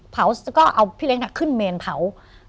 เขาก็เอาพี่เล็กขึ้นเมนเผา